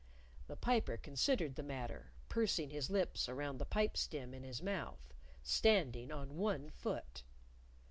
The Piper considered the matter, pursing his lips around the pipe stem in his mouth; standing on one foot.